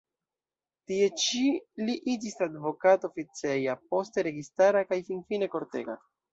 Tie ĉi li iĝis advokato oficeja, poste registara kaj finfine kortega.